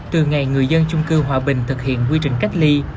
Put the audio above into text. các cư dân trung cư hòa bình thực hiện quy trình cách ly